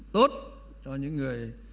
tốt cho những người